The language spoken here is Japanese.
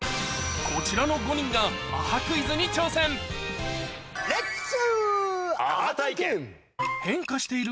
こちらの５人がアハクイズに挑戦レッツ。